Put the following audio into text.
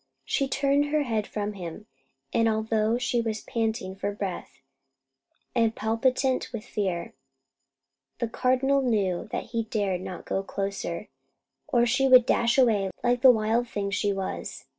She turned her head from him, and although she was panting for breath and palpitant with fear, the Cardinal knew that he dared not go closer, or she would dash away like the wild thing she was.